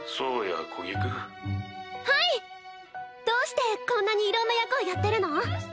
どうしてこんなにいろんな役をやってるの？